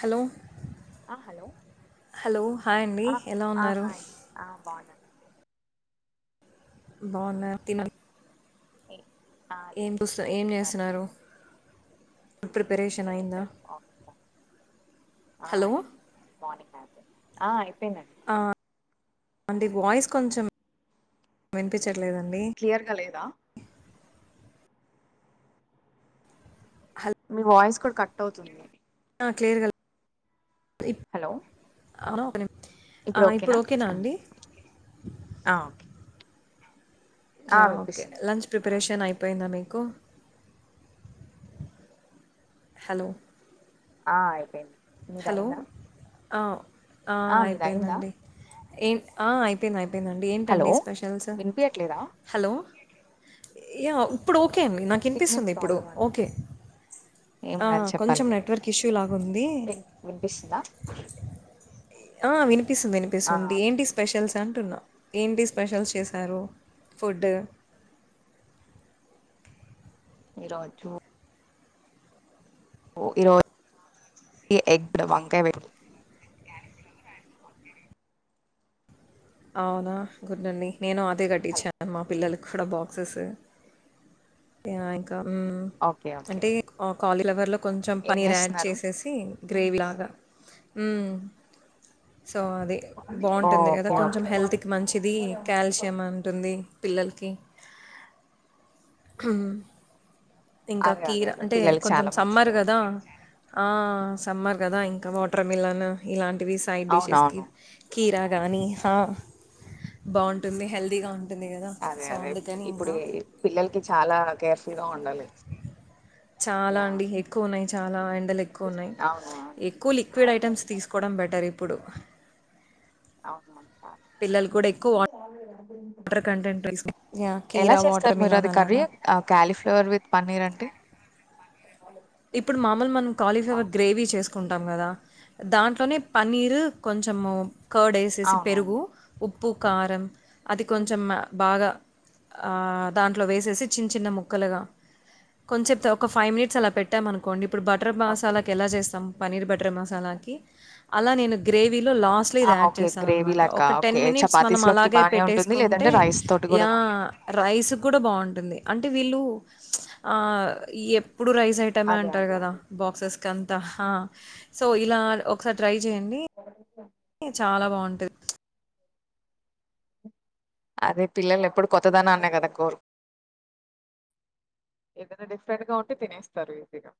Hello ఆ hello hello hi అండి ఆ ఎలా ఆ ఉన్నారు హాయ్ ఆ బాగున్నా బాగున తిన [unintelligible] ఏం పుస్త ఏం తిన్నారు చేస్తున్నారు ఫుడ్ ప్రిపరేషన్ ఏం అయందా లేదు ఆఫీస్ లో ఆ హలో అయింది మార్నింగ్ ఆ అయిపోయిందండి అంటే వాయిస్ కొంచెం వినిపించ క్లియర్గా లేదా హలో మీ వాయిస్ కూడా కట్ అవుతుంది ఆ క్లియర్ గా హలో అ ఒకని ఇప్పుడు ఓకేనా అండి ఆ ఓకే ఆ ఓకే వినిపిస్తుంది లంచ్ ప్రిపరేషన్ అయిపోయిందా మీకు హలో ఆ అయిపోయింది మీది హలో అయిందా ఆ ఆ మీది అయిందా అయిపోయిందండి ఏ అయిపోయింది అయిపోయిది అండి హలో ఏంటండీ స్పెషల్స్ వినిపియట్లేదా హలో హై ఇప్పుడు ఓకే అండి నాకు సిగ్నల్ వినిపిస్తుంది ఇప్పుడు ప్రాబ్లమ్ ఓకే అనుకుంటా ఏముండాలి చెప్పాలి కొంచెం మీరే నెట్వర్క్ ఇష్యూ లాగా ఉంది విన్- వినిపిస్తుందా ఆ వినిపిస్తుంది ఆ వినిపిస్తుంది ఓకే ఏంటి ఓకే. స్పెషల్స్ అంటున్నా ఏంటి స్పెషల్స్ చేశారు ఫుడ్ ఈ రోజు ఓ ఈరోజు ఎగ్ వంకయ వె అవునా గుడ్ అడి నేను అదే హలో కట్టించాను మా పిల్లల కూడా బ్యాంక్స్ ఇంకా ఓకే ఓకే అంటే కాలీ ఫ్లవర్లో కొంచెం ఏం పనీర్ యాడ్ చేస్తున్నారు చేసేసి గ్రేవీ లాగా సో అది బాగుంటుంది కద ఓకే కొంచెం ఓకే హెల్త్కి మంచిది కాల్షియం ఉంటుంది పిల్లలకి ఇంకా అదే అదే కీర అదే అంటే పిల్లలకి కొంచెం చాలా సమ్మర్ మంచిది కదా ఆ సమ్మర్ కదా ఇంకా వాటర్ మిలన్ ఇలాంటివి సైడ్ డిషెస్కి అవునవును కీరా గానీ హా బాగుంటుంది హెల్తీగా ఉంటుంది. గదా! అదే సో, అదే అందుకని ఇప్పుడు ఇంకా పిల్లలకి చాలా కేర్ఫుల్ గా ఉండాలి చాలా యా అండి ఎక్కువ ఉన్నాయి చాలా ఎండలు ఎక్కువ ఉన్నాయి అవును ఎక్కువ లిక్విడ్ ఐటమ్స్ అవును తీసుకోవడం బెటర్ ఇప్పుడు అవును పిల్లలు కూడా ఎక్కువ వాటర్ కంటెంట్ తీసు యాహ్! కీర, ఎలా వాటర్ చేస్తారు మీరు మిలన్ అది కర్రీ అలాగా క్యాలీఫ్లవర్ విత్ పన్నీర్ అంటే ఇప్పుడు మామూలు మనం ఆ, కాలీఫ్లేవర్ గ్రేవీ చేసుకు కుంటాం కదా దాంట్లోనే పన్నీరు కొంచెము కర్డ్ వేసేసి పెరుగు, అవునవును ఉప్పు, కారం అది కొంచెం బాగా ఆ దాంట్లో వేసేసి చిన్న చిన్న ముక్కలుగా కొంచేపు ఒక ఫైవ్ మినిట్స్ అలా పెట్ పెట్టాం ఆనుకోండి ఇప్పుడు బటర్ ఓకే మసాలాకి ఎలా చేస్తాం పనీర్ బటర్ మసాలాకి అలా నేను గ్రేవీ గ్రేవీ లో లాస్ట్ లో ఆ, ఇది యాడ్ ఓకే చేస్తాం గ్రేవీ అన్నమాట లాగా ఒక టెన్ ఓకే మినిట్స్ మనం చపాతీస్ లోకి అలాగే బానే ఉంటుంది పెట్టుసుకుంటే లేదంటే రైస్ తోటి కూడా ఆ బానే రైస్ కి కూడా బాగుంటుంది అంటే వీళ్ళు ఆ ఎప్పుడు రైస్ ఐటమే అదే అంటారు అదే కదా అదే బాక్సెస్ ఆంత సో ఇలా ఒకసారి ట్రై చేయండి. చాలా బావుంటది. అదే పిల్లలు ఎప్పుడు కొత్తదనాన్నే కదా కోరు ఏదన్నా డిఫరెంట్గా ఉంటే తినేస్తారు ఈజీగా.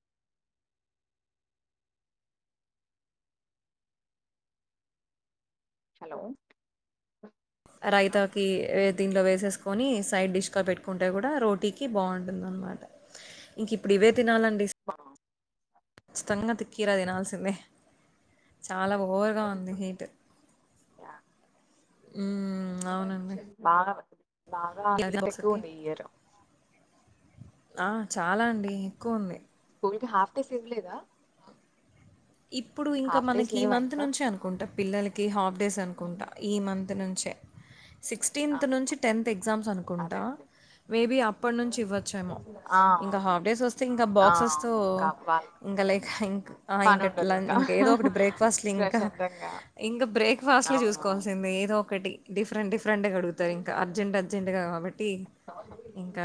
హలో రైతాకీ ఏద్ దీంట్లో వేసేసుకొనీ, సైడ్ డిష్ గా పెట్టుకుంటే గూడా రోటీకి బాగుంటుందన్నమాట. ఇంక ఇప్పుడు ఇవే తినాలండి. ఖచ్చితంగా కీర తినాల్సిందే. చాలా ఓవర్గా ఉంది హీట్. యా హ్మ్. అవునండి. బాగా బాగా మీది హీట్ ఎక్కువ బాక్స్‌కి ఉంది ఈ ఇయర్. ఆ చాలా అండీ ఎక్కువ ఉంది. స్కూల్ కి హాఫ్ డేస్ ఇవ్వలేదా. ఇప్పుడు ఇంకా హాఫ్ డేస్ మనకి ఈ లేవా మంత్ ఇంకా నుంచే అనుకుంటా. పిల్లలకి హాఫ్ డేస్ అనుకుంటా, ఈ మంత్ నుంచి టే. సిక్స్టీన్త్ ఆహా, నుంచి టెన్త్ ఎగ్జామ్స్ అదే అనుకుంటా. అదే మేబీ అప్పటి నుంచి ఇవ్వచ్చేమో. ఆ ఇంకా అవును హాఫ్ డేస్ వస్తే ఇంకా ఆ బాక్సెస్తో అవును ఇంకా వాళ్ళ ఇంకా లేక ఇంక్ ఆహా పని ఇంక ఉండదు లం ఇంకా ఇంక ఏదో ఒకటి బ్రేక్ఫాస్ట్లు ఇంకా ప్రశాంతంగా ఇంకా బ్రేక్ఫాస్ట్లు అవును చూసుకోవాల్సిందే ఏదో ఒకటి. డిఫరెంట్ డిఫరెంట్గా అడుగుతారు ఇంకా అర్జెంట్ అర్జెంట్గా కాబట్టి. ఇంకా,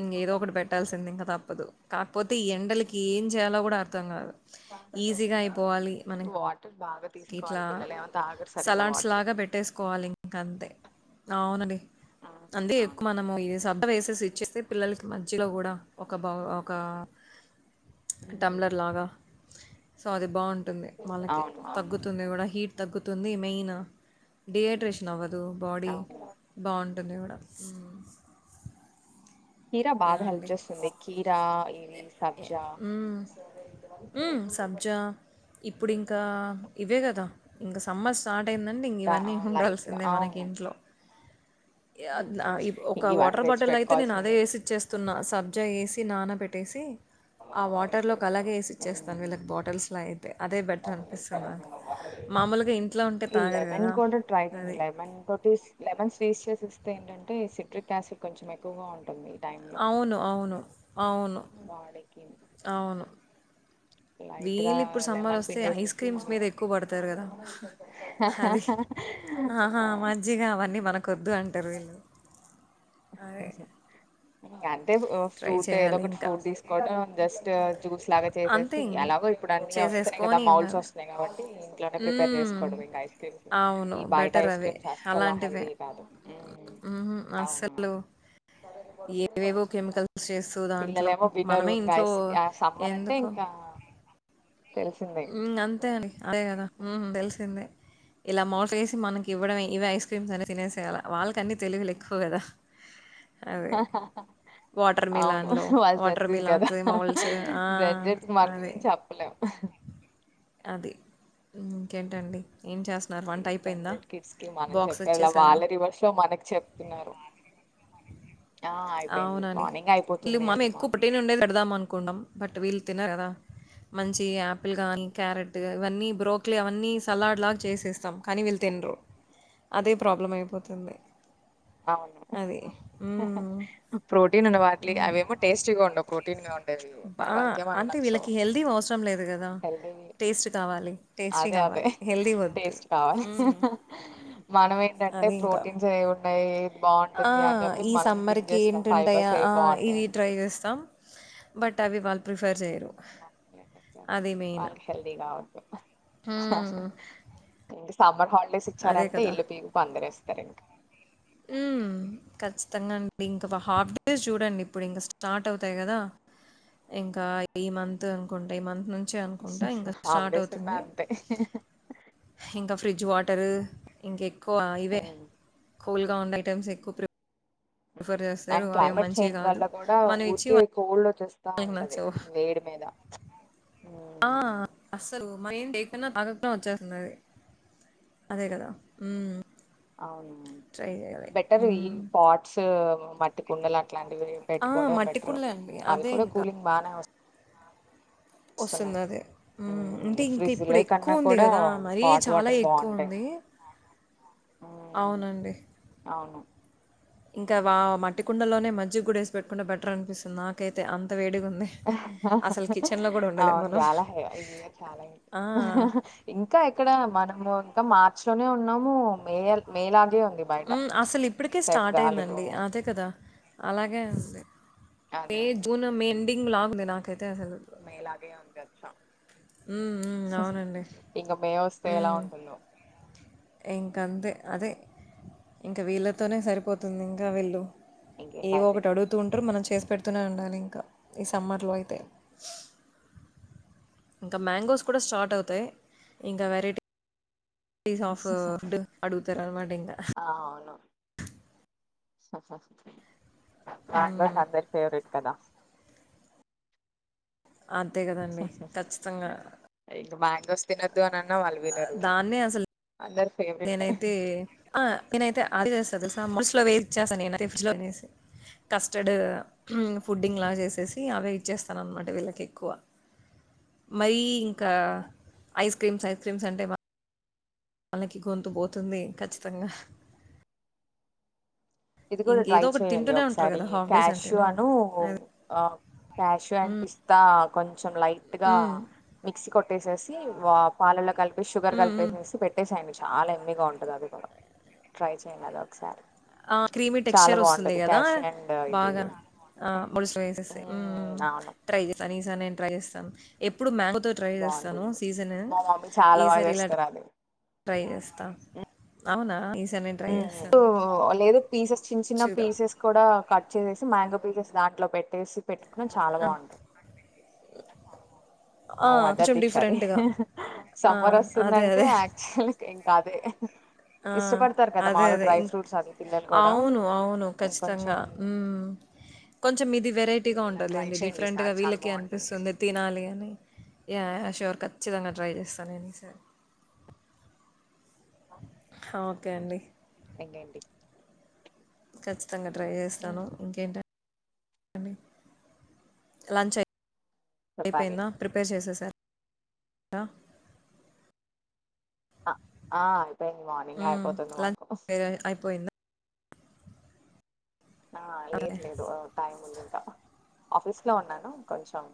ఇంగ ఏదో ఒకటి పెట్టాల్సింది ఇంగ తప్పదు. కాకపోతే ఈ ఎండలకీ ఏం చేయాలో గూడా అర్థం గాదు. ఈజీగా అయిపోవాలి మనక్ వాటర్ బాగా తీసుకోవాలి పిల్లలేమొ తా సలాడ్స్ లాగా పెట్టేసుకోవాలి ఇంక అంతే. అవునండి. ఉమ్, అందే ఎక్కువ అవును మనము ఈ [inaudible] ఏసేసి ఇచ్చేస్తే పిల్లలకి మధ్యలో గూడా ఒక బౌ ఒకా ఉమ్, టమ్లర్ లాగా సో అది బాగుంటుంది. వాళ్ళకి అవును అవును తగ్గుతుంది గూడా హీట్ తగ్గుతుంది మెయిను డిహైడ్రేషన్ అవ్వదు బాడీ అవును బావుం [unintelligible] గూడా ఊ కీరా బాగా హెల్ప్ చేస్తుంది. కీరా ఇవి ఎ సబ్జా జ్జా ఇప్పుడు ఇంకా ఇవే గదా. ఇంక సమ్మర్ స్టార్ట్ అయిందంటే ఇంగ దా- ఇవన్నీ ఆ, లైట్ గా ఉండాల్సిందే మనకి అవును ఇంట్లో. యా నా ఇ ఇంక ఒకా ఇవన్నీ వాటర్ తెచ్చి బాటిల్ అయితే నేను అదే పెట్టుకోవాల్సిందే ఏసి ఇస్తున్నా సబ్జా ఏసి నాన పెట్టేసీ. ఆ వాటర్ లోక్ అలాగే ఏసి ఇచ్చేస్తాను వీళ్ళక్ బాటిల్స్ లో అయితే. అదే దె బెటర్ అనిపిస్తుంది నాకు. మామూలుగా ఇంట్ ఈ లెమెన్ తోటి ట్రై చేయండి లెమెన్ తోటీ లెమెన్స్ తీస్ చేసేస్తే ఏంటంటే సిట్రిక్ యాసిడ్ కొంచెం ఎక్కువగా ఉంటుంది. టైంలో అవును అవును అవును బాడీకి అవును. లైట్ గా వీళ్ళిప్పుడు సమ్మర్ లెమన్ వస్తే ఐస్ పిండేసేసి క్రీమ్స్ మీద జస్ట్ ఎక్కువ పడతారు గదా. అది ఆహా మజ్జిగా అవన్నీ మనకొద్దు అంటరు వీళ్ళు. ఊహు ఇంకా అంటే ఓ ట్రై ఫ్రూట్ ఏదో చేయాలి ఒకటి ఇంకా. ఫ్రూట్ తీసుకోవడం జస్టా. జ్యూస్ లాగా అంతే చేసేసి, ఇంగ ఎలాగో ఇప్పుడు అన్ని వస్తున్నాయి గదా చేసేసుకొని మౌల్డ్స్ ఇవ్వాలి. వస్తున్నాయి కాబట్టీ ఇంట్లోనే ప్రిపేర్ హ్మ్. చేసుకోవడమే. ఇంకా ఐస్స్ క్రీమ్స్. అవును. ఈ బయట బెటర్ ఐస్ అవే. క్రీమ్స్ అస్సలా అలాంటివే. హెల్దీ కాదు. ఊ హుహు. అవును అస్సలు ఏవేవో కెమికల్స్ చేస్తూ దాంట్లో పిల్లలేమో వినరు మనమే ఇంక ఇంట్లో ఐస్ ఆ స ఎందుకో తెలిసిందే ఊ అంతే అండి అదే గదా ఊహు తెలిసిందే. ఇలా మౌల్డ్సో ఏసి మనకి ఇవ్వడమే ఇవి ఐస్ క్రీమ్స్ అని తినేసేయాలా వాళ్ళకన్ని తెలివిలెక్కువ కదా. ఆహా వాటర్ అవును, మిలాన్‌లో వాళ్ళు జడ్ వాటర్ జీన్ కదా, మిలాన్స్, మౌల్స్ ఆ! జడ్ జీన్స్ కి మనము అదే. ఏం చెప్పలేమ్. అది, ఇంకేంటండి. ఏం చేస్తున్నారు? జెడ్ వంటయిపోయిందా? జీన్ కిడ్స్ కి మనం బాక్స్ చెప్పేద్లా, ఇచ్చేసారా? వాళ్ళే రివర్స్ లో మనక్, చెప్తున్నారు. ఆ! అయిపోయింది. అవునండి. మార్నింగే ఇళ్ళు అయిపోతుంది మనం ఎర్లీ ఎక్కువ మార్నింగ్. ప్రోటీన ఉండేది పెడదాం అనుకుంటాం. బట్ వీళ్ళు తినర్ కదా. మంచి ఆపిల్ గానీ, క్యారెట్ ఇవన్నీ బ్రోక్లీ అవన్నీ సలాడ్ లాగా చేసేస్తాం. కానీ వీల్ తిన్రూ, అదే ప్రాబ్లం అయిపోతుంది. అవును. అది ఉమ్మ్. ప్రోటీన్ ఉన్న వాట్లీ, అవేమో టేస్టీగా ఉండవు. ప్రోటీన్గా ఉన్ బా అంటే వీళ్ళకి హెల్దీ అవసరం లేదు గదా. హెల్తీవి టేస్ట్ కావాలి, టేస్టీ అదే గా అదే టేస్ట్ కావాలి. మనమే, ఏంటంటే అది ఇంకా. ప్రోటీన్స్ ఏవీ ఉన్నాయి. ఆ బావుంటుంది అని జెప్పేసి ఈ మనం సమ్మర్ థింక్ కి జేస్తాం. ఏంటి ఉంటాయా, ఫైబర్స్ ఏవి ఆ ఇవి బావుంటాయని. ట్రై చేస్తాం. బట్ అవి వాళ్ళు ప్రిఫెర్ చేయరు. [inaudible] వాళ్ళకి హెల్దీ గా వద్దు. హుమ్మ్. సమ్మర్ హాలిడేస్ ఇచ్చారంటే ఇల్లు పీకి పందిరి ఏస్తారు ఇంక్. ఉమ్మ్. ఖచ్చితంగా అండి. ఇంక హాఫ్ డేస్ చూడండి, ఇప్పుడ్ ఇంగా స్టార్ట్ అవుతాయి గదా. ఇంకా ఈ మంత్ అనుకుంట, ఈ మంత్ నున్ చే అనుకుంట. ఇంగా హాఫ్ స్టార్ట్ డేస్ ఉన్నా అవుతుంది. అంతే ఇంకా ఫ్రిడ్జ్ వాట్, టర్, ఇంక ఎక్కువ ఇవే, ఉమ్, కూల్గా ఉండే ఐటమ్స్ ఎక్కువ ప్రీ అండ్ క్లైమేట్ చేంజ్ కాదు. వల్ల కూడా, మనం ఇచ్చి ఊరికే కోల్డ్ ఓచ్చేస్త్ తా వాళ్ళకి ఉంటది. నచ్చవు. వేడ్ మీద. ఆ అస్సల్ ఏం లేకున్న, తాగకుండా ఓచ్చేస్తుంది, అది. అదే గదా. అవునవును ట్రై జేయాలి. బెటర్ ఈ [unintelligible] మట్టి కుండలు అట్లాంటివి ఆ! పెట్టుకోవడం మట్టి బెటరూ. కుండలే అండి. అవి అదే కూడా కూలింగ్ బాగానే ఓస్, ఓస్తుంది అదే. అంటే ఇంకా ఫ్రిడ్జ్ ఇప్పుడు లో కన్నా ఎక్కువ ఉంది కూడా కదా, మరీ పాట్ చాలా వాటర్ ఎక్కువ బాగుంటాయి ఉంది. ఇ ఉమ్, అవునండి. అవును. ఇంకా వా, మట్టి కుండలోనే మజ్జిగ కూడా వేసి పెట్టుకుంటే బెటర్ అనిపిస్తుంది, నాకైతే అంత వేడిగా ఉంద్, అవును మనం. జాలా హే, ఇంకా చాలా ఇంకా. ఆ! ఇంకా ఇంకా ఇక్కడ మనము ఇంకా మార్చి లోనే ఉన్నాము. మేయల్, మే లాగే ఉన్ ఉమ్ అసల్ ఇప్పటికే స్టార్ట్ అయిందండి, అదే కదా. మే, అదే జూన్, మే ఎండింగ్ లాగుంది నాకైతే. అసలు. మే లాగే ఉండోచ్చా. హ్మ్. హ్మ్. అవునండి. ఇంకా మే ఓస్తే ఎలా ఉంటుందో. ఇంక్ అంతే. అదే ఇంకా వీళ్ళతోనే సరిపోతుంది. ఇంకా వీళ్ళు, ఇంకేంటి ఏవొ అయితే ఒకటి అడుగుతూ ఉంటుర్, మనం చేసి పెడ్త్ తూనే ఉండాలి ఇంకా. ఈ సమ్మర్లో అయితే, ఇంకా మ్యాంగోస్ కూడా స్టార్ట్ అవుతాయి, ఇంకా వెరైటీ, అడుగుతారు అనమాట ఇంకా అవును. సఫ మ్యాంగోస్ మ్మ్. అందరి ఫేవరెట్ కదా. అంతే కదండి, ఖచ్చితంగా. ఇంక మ్యాంగోస్ తినొద్దు అన్ అన్నా, వాళ్ళు వినరు. దాన్నే అసలు అందరి ఫేవరెట్ నేనైతే ఆ నేనైతే అది చేస్తా తెలుసా మోస్లవే ఇచ్చాసా నే డ్జ్ లో కస్టర్డ్ ఫుడ్ంగ్ లా చేసేసి అవే ఇచ్చేస్తాను అ మాట వీళ్ళకి ఎక్కువ మరీ ఇంకా ఐస్ క్రీమ్స్ ఐస్ క్రీమ్స్ అంటే వళ్లకి గొంతు పోతుంది ఖచ్చితంగా ఇది కూడా ట్రై ఇంకేదో ఒకటి చెయండి తింటూనే ఉంటారు ఒకసారి గదా! హాఫ్ డేస్ క్యాష్యూ అంటేను. అను అది. ఆ క్యాషు అండ్ పిస్తా చెం లైట్ గా హ్మ్. మిక్స్ కొట్టేసేసి వా పాలల్లో కలప్ షుగర్ హ్మ్. హ్మ్. కలిపేసేసి పెట్టేసేయండి చాలా యమ్మిగా ఉంటది అది కూడా ట్రై చేయండి అది ఒకసారి ఆ క్రీమీ చాలా టెక్చర్ వస్తుంది బాగుంటుంది కదా క్యాష్యూ అండ్ ఇది బాగా ఆ ముడి వేసేసే హ్మ్ హ్మ్ మ్మ్, అవును ట్రై చేస్తాను ఈసారి నేను ట్రై చేస్తాను ఎప్ ఎప్పుడు మ్యాంగోతో ట్రై చేస్తాను బాగుంటుంది సీజన్ మా మమ్మీ చాలా బాగా ఈసారి ఇలా ట్ర చేస్తారు అది ట్రై చేస్తా అవునా ఈసారి నేను ట్రై జేస్తాను. లేదు పీసెస్ చిన్న చిన్న చూద్దాం. పీసెస్ కూడా కట్ చేసే మ్యాంగో పీసెస్ దాంట్లో పెట్టేసి పెట్టుకున్నా చాలా ఆ! బాగుంటాం ఆ! మా మదర్ కొంచెం డిష్ అది డిఫరెంట్‌గా. ఆ! సమ్మర్ అదే. వస్తుందంటే అదే. యాక్చులీ కాదే ఆ అదే అదే ఇం అది పిల్లలు కూడా అవును అవును కొంచెం ఖచ్చితంగా హ్మ్ కొంచెం ఇది వెరైటీగా ఇలా ట్రై ఉంటాదిలేండి చేయండి డిఫరెంట్ గా ఈసారి చాలా వీళ్ళకి బాగుంటుంది అనిపిస్తుంది తినాలి అని యాయా ష్యూర్ ఖచ్చితంగా ట్రై చేస్తా నేను ఈ సారి ఓకే అండి ఇంకేంటి ఖచ్చితంగా ట్రై చేస్తాను ఇంకేంటం లంచ్ అయి చెప్పాలి పోయిందా ప్రిపేర్ చేసేసార ఆ ఆ అయిపోయింది మార్నింగ్ హ్మ్. అయిపోతుంది లంచ్ మాకు అయిపోయిందా? ఆ లేదు అదే లేదు టైం లేదు ఆఫీస్ లో ఉన్నాను కొంచెం